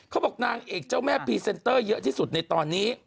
เขาบอกนางเอกเจ้าแม่พรีเซนเตอร์เยอะที่สุดในตอนนี้